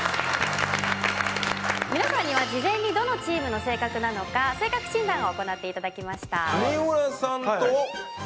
皆さんには事前にどのチームの性格なのか性格診断を行っていただきました